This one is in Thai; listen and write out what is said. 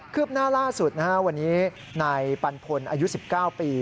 ืบหน้าล่าสุดวันนี้นายปันพลอายุ๑๙ปี